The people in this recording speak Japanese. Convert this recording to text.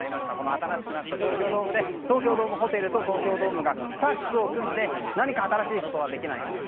新しくなった東京ドームで東京ドームホテルと東京ドームがタッグを組んで何か新しいことができないかと。